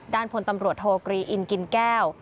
ด้านผลตำรวจโทรกรีอินกินแก้ว